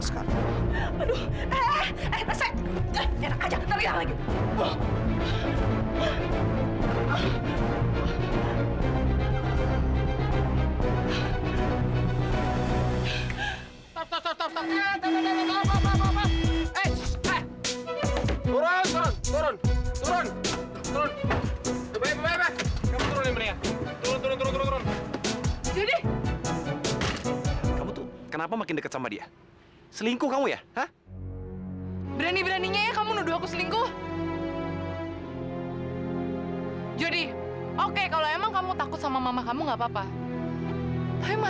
sampai jumpa di video selanjutnya